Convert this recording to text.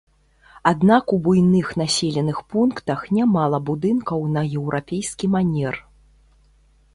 Аднак у буйных населеных пунктах нямала будынкаў на еўрапейскі манер.